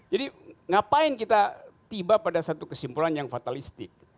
jadi ngapain kita tiba pada satu kesimpulan yang fatalistik